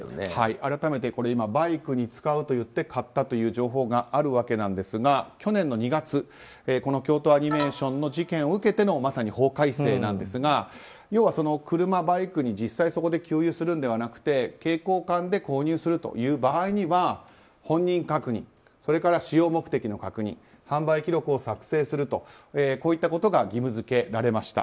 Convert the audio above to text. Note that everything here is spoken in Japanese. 改めて、バイクに使うと言って買ったという情報があるわけなんですが去年の２月京都アニメーションの事件を受けてのまさに法改正なんですが要は、車、バイクに実際そこで給油するのではなくて携行缶で購入するという場合には本人確認それから、使用目的の確認販売記録を作成するとこういったことが義務付けられました。